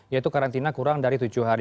yaitu karantina kurang dari tujuh hari